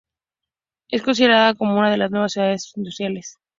Es considerada como una de las nuevas ciudades industriales.